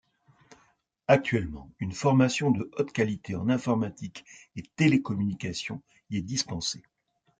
Actuellement, une formation de haute qualité en informatique et télécommunications y est dispensée.